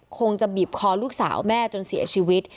คงจะบีบคอลูกสาวแม่จนเสียชีวิต